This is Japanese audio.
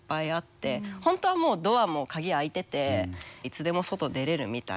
本当はもうドアも鍵開いてていつでも外出れるみたいな。